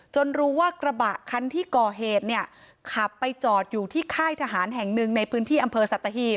รู้ว่ากระบะคันที่ก่อเหตุเนี่ยขับไปจอดอยู่ที่ค่ายทหารแห่งหนึ่งในพื้นที่อำเภอสัตหีบ